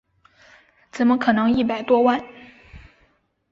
怎么可能一百多万